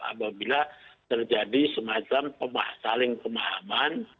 apabila terjadi semacam saling pemahaman